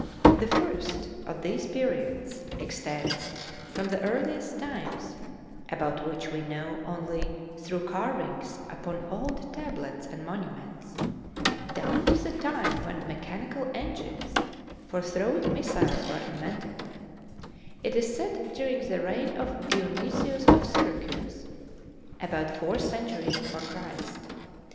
The first of these periods extends from the ear liest times, about which we know only through carvings upon old tablets and monuments, down to the time when mechanical engines for throwing missiles were invented, it is said during the reign [in THE BOOK OF FAMOUS SIEGES of Dionysius of Syracuse, about four centuries before Christ.